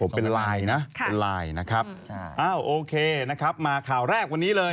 เป็นไลน์นะครับเอ้าโอเคนะครับมาข่าวแรกวันนี้เลย